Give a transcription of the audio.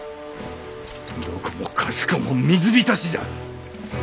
どこもかしこも水浸しじゃ！